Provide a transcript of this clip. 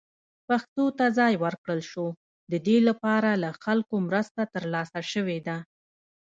پښتو ته ځای ورکړل شو، د دې لپاره له خلکو مرسته ترلاسه شوې ده.